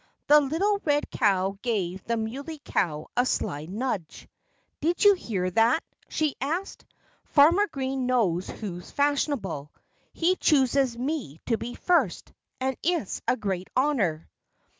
The little red cow gave the Muley Cow a sly nudge. "Did you hear that?" she asked. "Farmer Green knows who's fashionable. He chooses me to be first! And it's a great honor."